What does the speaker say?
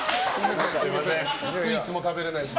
スイーツも食べれないし。